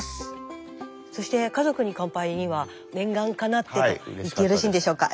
そして「家族に乾杯」には念願かなってと言ってよろしいんでしょうか？